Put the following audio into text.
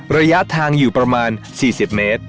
ระยะทางอยู่ประมาณ๔๐เมตร